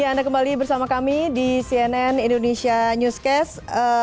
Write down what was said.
ya anda kembali bersama kami di cnn indonesia newscast